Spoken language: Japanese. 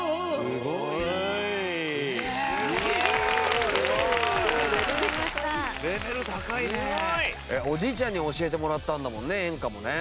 すごい！おじいちゃんに教えてもらったんだもんね演歌もね。